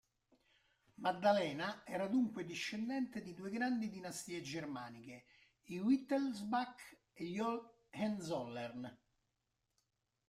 Maddalena era dunque discendente di due grandi dinastie germaniche: i Wittelsbach e gli Hohenzollern.